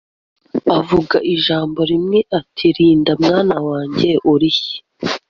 avuga ijambo rimwe ati Linda mwana wanjye urihe